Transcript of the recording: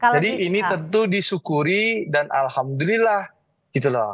jadi ini tentu disyukuri dan alhamdulillah